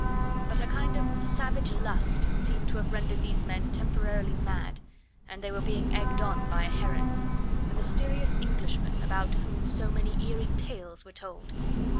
But a kind of savage lust seemed to have rendered these men temporarily mad, and they were being egged on by Heron. The mysterious Englishman, about whom so many eerie tales were told!